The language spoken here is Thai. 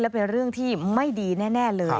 เป็นเรื่องที่ไม่ดีแน่เลย